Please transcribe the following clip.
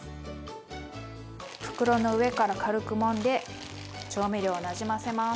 袋の上から軽くもんで調味料をなじませます。